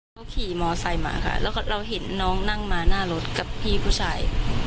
เขาขี่มอไซค์มาค่ะแล้วเราเห็นน้องนั่งมาหน้ารถกับพี่ผู้ชาย